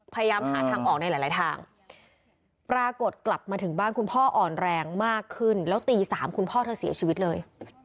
พยายามหาทางออกในหลายทางปรากฏกลับมาถึงบ้านคุณพ่ออ่อนแรงมากขึ้นแล้วตี๓คุณพ่อเธอเสียชีวิตเลย